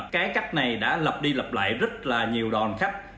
cái cách này đã lập đi lập lại rất là nhiều đòn khách